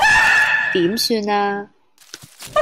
點算呀